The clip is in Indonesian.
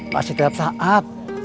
pasti tiap saat